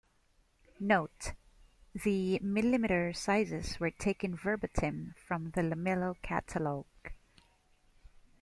Note: The mm sizes were taken verbatim from the Lamello Catalogue.